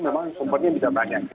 memang sumbernya bisa banyak gitu ya